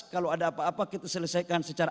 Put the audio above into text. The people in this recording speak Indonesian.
kalau ada apa apa kita selesaikan secara